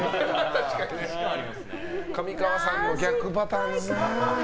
上川さんの逆パターンですね。